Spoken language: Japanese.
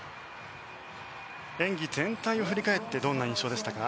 演技全体を振り返ってどんな印象でしたか？